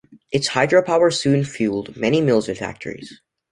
Its hydropower soon fueled many mills and factories.